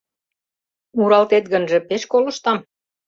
— Муралтет гынже, пеш колыштам.